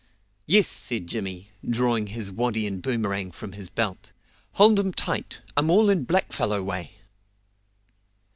"Yes," said Jimmy, drawing his waddy and boomerang from his belt; "hold um tight, um all in black fellow way."